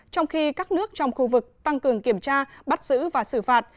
trong khi các nước trong khu vực tăng cường kiểm tra bắt giữ và xử phạt